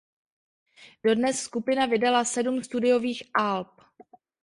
Dodnes skupina vydala sedm studiových alb.